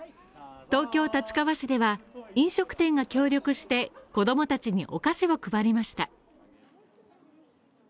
東京・立川市では、飲食店が協力して子供たちにお菓子を配りました。